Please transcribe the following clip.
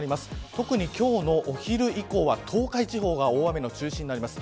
特に今日のお昼以降は東海地方が大雨の中心になります。